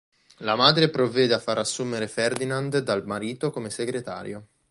La madre provvede a far assumere Ferdinand dal marito come segretario.